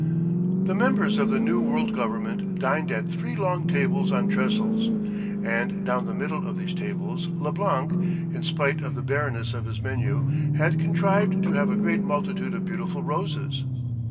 The members of the new world government dined at three long tables on trestles, and down the middle of these tables Leblanc, in spite of the barrenness of his menu, had contrived to have a great multitude of beautiful roses.